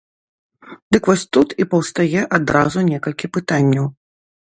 Дык вось тут і паўстае адразу некалькі пытанняў.